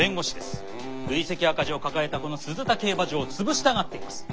累積赤字を抱えたこの鈴田競馬場を潰したがっています。